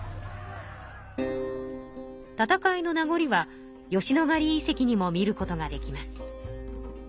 戦いのなごりは吉野ヶ里遺跡にも見ることができます。